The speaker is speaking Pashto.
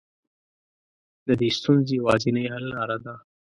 د دې ستونزې يوازنۍ حل لاره ده.